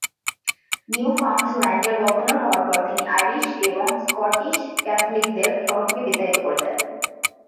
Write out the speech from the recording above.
Newfoundland এর governor হওয়ার পর তিনি আইরিশ এবং স্কটিশ ক্যাথলিকদের শহর থেকে বিতাড়িত করে দেন।